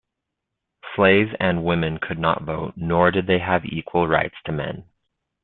Slaves and women could not vote, nor did they have equal rights to men.